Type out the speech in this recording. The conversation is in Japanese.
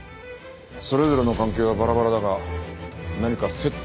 それぞれの関係はバラバラだが何か接点があるのかもしれんな。